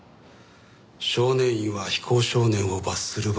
少年院は非行少年を罰する場所ではない。